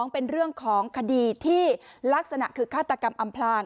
เป็นเรื่องของคดีที่ลักษณะคือฆาตกรรมอำพลาง